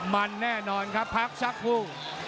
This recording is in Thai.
มันแน่นอนครับพรรกชะครู